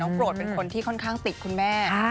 โกรธเป็นคนที่ค่อนข้างติดคุณแม่